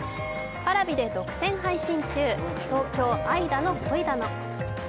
Ｐａｒａｖｉで独占配信中「東京、愛だの、恋だの」。